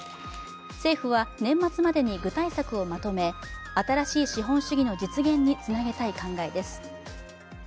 政府は年末までに具体策をまとめ新しい資本主義の実現につなげたい考えです。